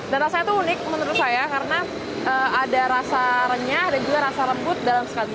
dan rasanya itu unik menurut saya karena ada rasa renyah dan juga rasa lembut dalam sekali kita